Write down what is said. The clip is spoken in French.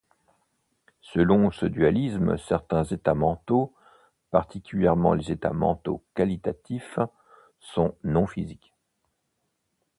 Selon ce dualisme, certains états mentaux, particulièrement les états mentaux qualitatifs sont non-physiques.